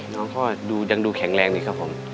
น้องก็ดูยังดูแข็งแรงดีครับผม